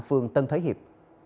phường tân thới hiệp